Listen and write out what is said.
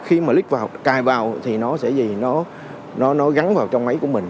khi mà lích vào cài vào thì nó sẽ gì nó gắn vào trong máy của mình